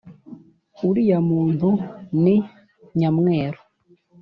uriya muntu ni nyamweru